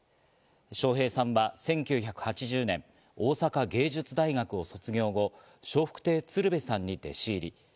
笑瓶さんは１９８０年、大阪芸術大学を卒業後、笑福亭鶴瓶さんに弟子入り。